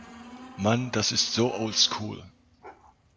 Mann, das ist so old school!